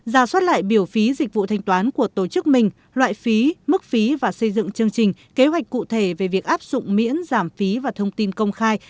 ra soát lại biểu phí dịch vụ thanh toán của tổ chức mình loại phí mức phí và xây dựng chương trình kế hoạch cụ thể về việc áp dụng miễn giảm phí và thông tin công khai